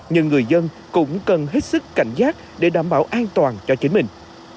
nhưng người dân cũng cần hết sức cảnh giác để đảm bảo an toàn cho chính mình